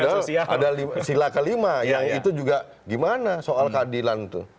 ada sila kelima yang itu juga gimana soal keadilan itu